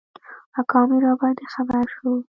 اکا مي راباندي خبر شو .